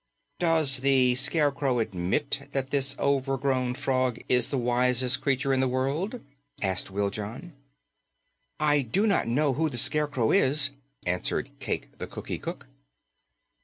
"Does the Scarecrow admit that this overgrown frog is the wisest creature in the world?" asked Wiljon. "I do not know who the Scarecrow is," answered Cayke the Cookie Cook.